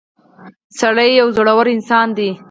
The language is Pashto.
• سړی یو زړور انسان دی.